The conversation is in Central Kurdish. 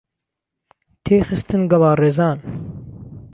تێی خستن گەڵا ڕێزان